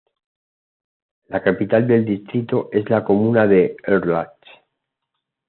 La capital del distrito es la comuna de Erlach.